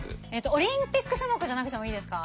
オリンピック種目じゃなくてもいいですか？